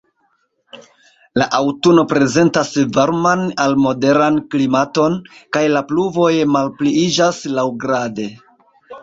La aŭtuno prezentas varman al moderan klimaton, kaj la pluvoj malpliiĝas laŭgrade.